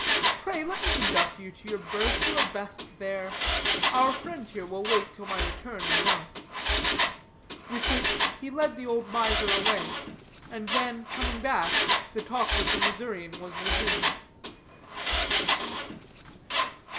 Pray, let me conduct you to your berth. You are best there. Our friend here will wait till my return, I know." With which he led the old miser away, and then, coming back, the talk with the Missourian was resumed.